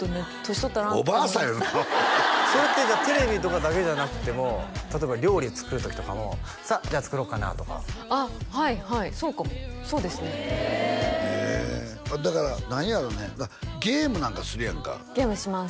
取ったなっておばあさんやそれってじゃあテレビとかだけじゃなくても例えば料理作る時とかも「さあじゃあ作ろうかな」とかあっはいはいそうかもそうですねだから何やろうねゲームなんかするやんかゲームします